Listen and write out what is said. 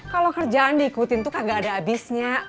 kalau kerjaan diikuti itu kagak ada abisnya